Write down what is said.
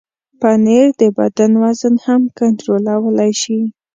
پنېر د بدن وزن هم کنټرولولی شي.